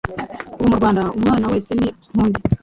Ubu mu Rwanda umwana wese ni nk’undi.